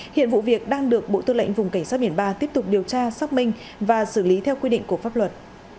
hiện vụ việc đang được bộ tư lệnh vùng cảnh sát biển ba tiếp tục điều tra xác minh và xử lý theo quy định của pháp luật